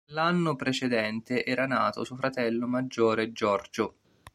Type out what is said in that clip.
L'anno precedente era nato suo fratello maggiore Giorgio.